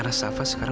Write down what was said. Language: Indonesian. ya udah semua du